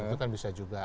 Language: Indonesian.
itu kan bisa juga